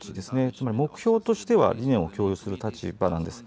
つまり目標としては理念を共有する立場なんです。